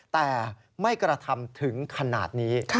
แต่ไม่กระทำถึงขนาดนี้